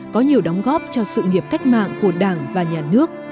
có nhiều đóng góp cho sự nghiệp cách mạng của đảng và nhà nước